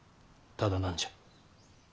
ただ何じゃ。